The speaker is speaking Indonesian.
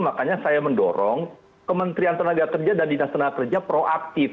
makanya saya mendorong kementerian tenaga kerja dan dinas tenaga kerja proaktif